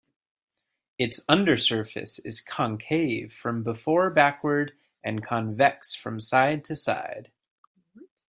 Its under surface is concave from before backward and convex from side to side.